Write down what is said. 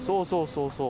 そうそう。